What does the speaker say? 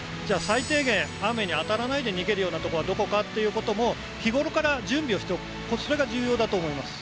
最低限雨に当たらないで逃げるようなとこはどこかということも日頃から準備をしとくそれが重要だと思います。